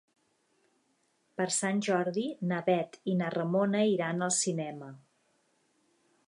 Per Sant Jordi na Bet i na Ramona iran al cinema.